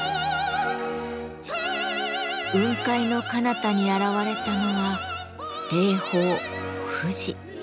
雲海のかなたに現れたのは霊峰富士。